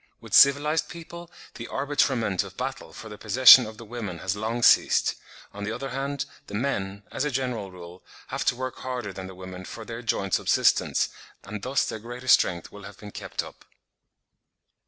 With civilised people the arbitrament of battle for the possession of the women has long ceased; on the other hand, the men, as a general rule, have to work harder than the women for their joint subsistence, and thus their greater strength will have been kept up.